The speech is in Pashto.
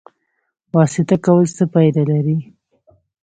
واسطه کول څه پایله لري؟